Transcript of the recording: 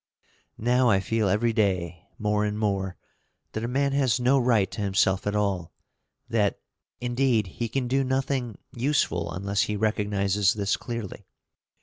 Now I feel every day, more and more, that a man has no right to himself at all; that, indeed, he can do nothing useful unless he recognizes this clearly.